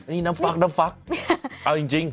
นี่น้ำฟักเอาจริง